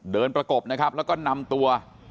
ประกบนะครับแล้วก็นำตัว